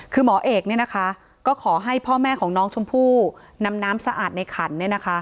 คือหมอเอกเนี่ยนะคะก็ขอให้พ่อแม่ของน้องชมพู่นำน้ำสะอาดในขัน